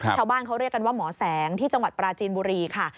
ชาวบ้านเขาเรียกกันว่าหมอแสงที่จังหวัดปราจีนบุรีค่ะ